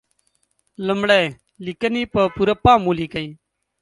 لمړی: لیکنې په پوره پام ولیکئ.